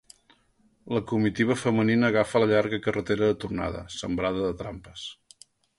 La comitiva femenina agafa la llarga carretera de tornada, sembrada de trampes.